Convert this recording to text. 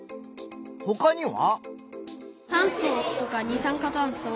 ほかには？